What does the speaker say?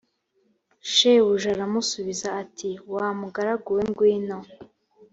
shebuja aramusubiza ati wa mugaragu we ngwino